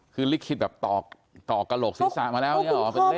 คือลิขิตแบบต่อกระโหกศีรษะมาแล้วเนี่ยเหรอ